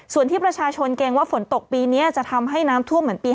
ส่วนที่ประชาชนเกรงว่าฝนตกปีนี้จะทำให้น้ำท่วมเหมือนปี๒๕